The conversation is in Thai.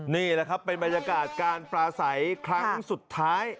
นี่แหละครับเป็นบรรยากาศการปลาใสครั้งสุดท้าย